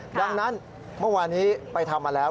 ดังนั้นเมื่อวานี้ไปทำมาแล้ว